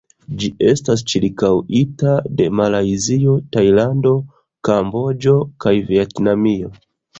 Ĝi estas ĉirkaŭita de Malajzio, Tajlando, Kamboĝo kaj Vjetnamio.